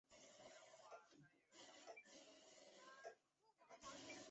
这种技术在以前还只存在于科幻小说之中。